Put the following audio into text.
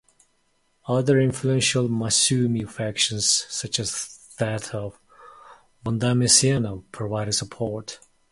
Other influential Masyumi factions, such as that of Wondoamiseno, provided support.